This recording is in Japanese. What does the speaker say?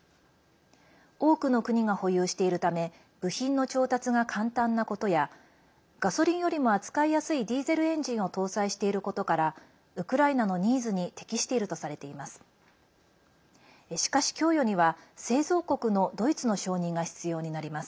多くの国が保有しているため部品の調達が簡単なことやガソリンよりも扱いやすいディーゼルエンジンを搭載していることからウクライナのニーズに適しているとされています。